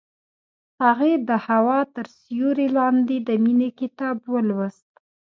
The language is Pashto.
هغې د هوا تر سیوري لاندې د مینې کتاب ولوست.